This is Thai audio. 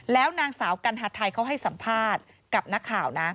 แล้วนางสาวกัณฑไทยเขาให้สัมภาษณ์กับนักข่าวนะ